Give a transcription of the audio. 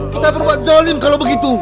kita perlu buat zolim kalau begitu